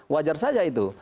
wajar saja itu